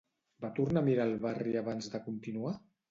Va tornar a mirar el barri abans de continuar?